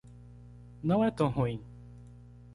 Não é tão ruim.